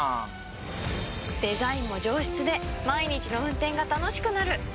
デザインも上質で毎日の運転が楽しくなる！